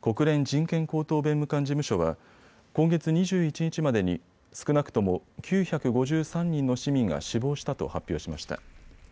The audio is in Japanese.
国連人権高等弁務官事務所は今月２１日までに少なくとも９５３人の市民が死亡したと発表しました。